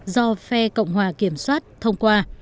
do phe cộng hòa kiểm soát thông qua